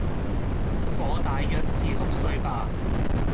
我大約是六歲吧